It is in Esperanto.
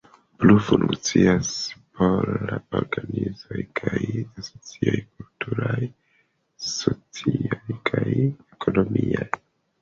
Plu funkciis polaj organizoj kaj asocioj kulturaj, sociaj kaj ekonomiaj.